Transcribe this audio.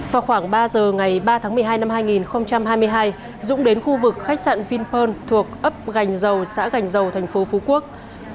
vào khoảng ba giờ ngày ba tháng một mươi hai năm hai nghìn hai mươi hai dũng đến khu vực khách sạn vinpearl thuộc ấp gành dầu xã gành dầu thành phố phú quốc